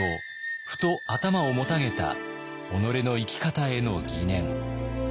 ふと頭をもたげた己の生き方への疑念。